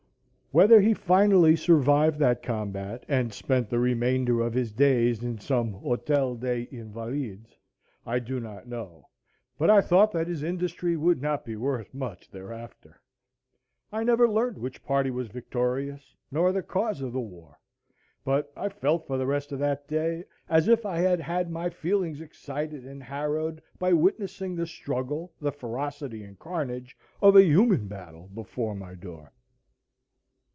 Whether he finally survived that combat, and spent the remainder of his days in some Hotel des Invalides, I do not know; but I thought that his industry would not be worth much thereafter. I never learned which party was victorious, nor the cause of the war; but I felt for the rest of that day as if I had had my feelings excited and harrowed by witnessing the struggle, the ferocity and carnage, of a human battle before my door.